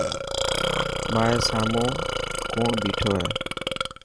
مائي سامون ڪوڻ بيٺو هي.